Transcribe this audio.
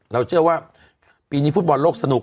เราเชื่อว่าปีนี้ฟุตบอลโลกสนุก